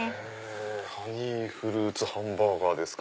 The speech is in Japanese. ハニーフルーツハンバーガーですか。